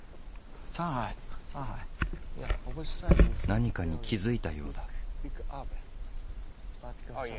何かに気付いたようだ。